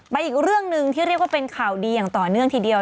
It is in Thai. อีกเรื่องหนึ่งที่เรียกว่าเป็นข่าวดีอย่างต่อเนื่องทีเดียว